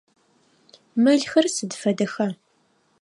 Мэлхэр сыд фэдэха?